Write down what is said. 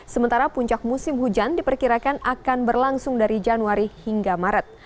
sementara puncak musim hujan diperkirakan akan berlangsung dari januari hingga maret